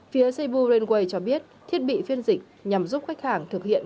phía seibu railway cho biết thiết bị phiên dịch nhằm giúp khách hàng thực hiện